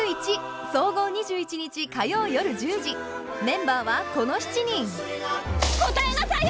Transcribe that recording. メンバーはこの７人答えなさいよ！